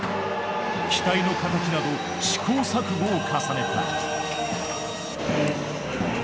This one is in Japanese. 機体の形など試行錯誤を重ねた。